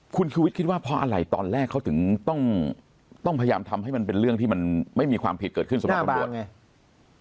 คุณชูวิทย์คิดว่าเพราะอะไรตอนแรกเขาถึงต้องพยายามทำให้มันเป็นเรื่องที่มันไม่มีความผิดเกิดขึ้นสำหรับตำรวจไง